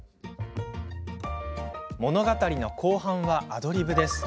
物語の後半は、アドリブです。